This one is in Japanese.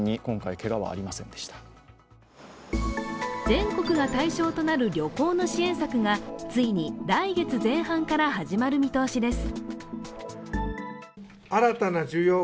全国が対象となる旅行の支援策がついに来月前半から始まる見通しです。